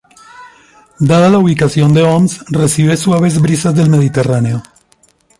Dada la ubicación de Homs recibe suaves brisas del Mediterráneo.